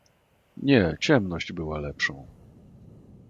"Nie, ciemność była lepszą."